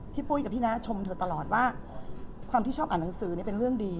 ปุ้ยกับพี่น้าชมเธอตลอดว่าความที่ชอบอ่านหนังสือนี่เป็นเรื่องดี